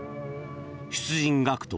出陣学徒